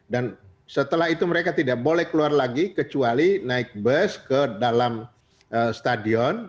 dan setelah itu mereka tidak boleh keluar lagi kecuali naik bus ke dalam stadion